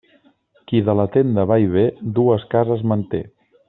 Qui de la tenda va i ve, dues cases manté.